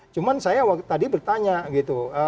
cuma saya tadi bertanya gitu